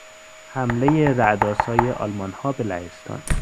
حملهی رعدآسای آلمانها به لهستان